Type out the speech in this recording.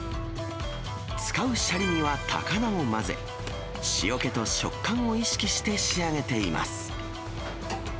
使うシャリには高菜を混ぜ、塩気と食感を意識して仕上げています。